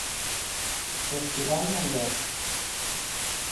Espiral Maior.